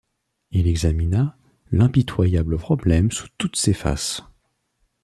Il examina l’impitoyable problème sous toutes ses faces.